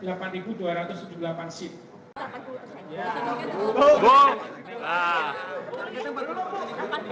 kita support kebijakan pemerintah untuk mengerjakan penerbangan murah untuk teman teman